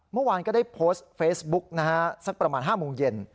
เมื่อวานก็ได้โพสต์เฟซบุ๊กนะฮะสักประมาณ๕โมงเย็น